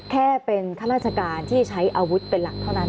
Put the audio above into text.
แค่เป็นข้าราชการที่ใช้อาวุธเป็นหลักเท่านั้น